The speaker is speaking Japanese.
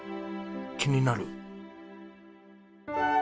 気になる。